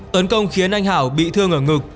tấn công khiến anh hảo bị thương ở ngực